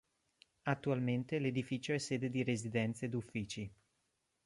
Attualmente l'edificio è sede di residenze ed uffici.